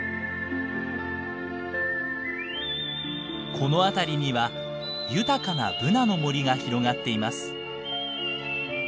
この辺りには豊かなブナの森が広がっています。